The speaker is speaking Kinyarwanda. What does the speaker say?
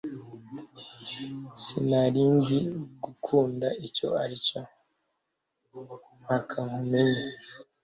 Sinarinzi gukunda icyo ari cyo mpaka nkumenye